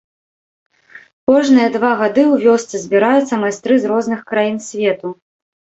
Кожныя два гады ў вёсцы збіраюцца майстры з розных краін свету.